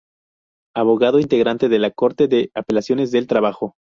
Abogado integrante de la Corte de Apelaciones del Trabajo.